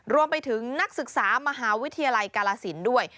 รวมไปถึงนักศึกษามหาวิทยาลัยกาลสินด้วย